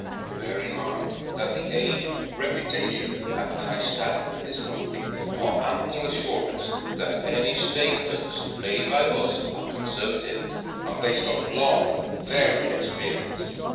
Bear in mind that the age, reputation and high standing of this Company are ample assurance that any statements made by us are conservative, and based on long and varied experience.